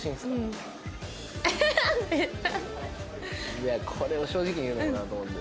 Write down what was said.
いやこれを正直に言うのもなと思って。